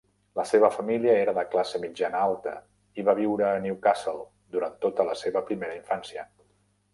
La seva família era de classe mitjana-alta i va viure a Newcastle durant tota la seva primera infància.